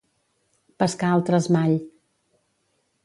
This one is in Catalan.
Pescar al tresmall.